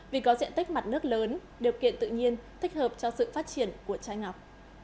vì có diện tích mặt nước lớn điều kiện tự nhiên thích hợp cho sự phát triển của chai ngọc